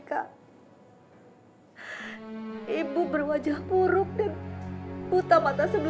kalau dengan alih madu mungkin tidak akan terjadi apa apa